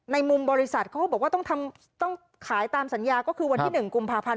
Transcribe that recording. มุมบริษัทเขาก็บอกว่าต้องขายตามสัญญาก็คือวันที่๑กุมภาพันธ์